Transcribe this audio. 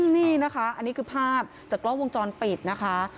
นี่นะคะอันนี้คือภาพจากกล้องวงจรปิดนะคะ